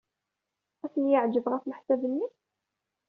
Ad ten-yeɛjeb, ɣef leḥsab-nnek?